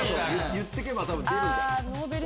言ってけば多分出る。